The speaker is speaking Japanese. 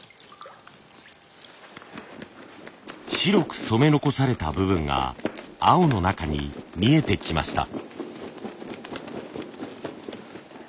白く染め残された部分が青の中に見えてきました。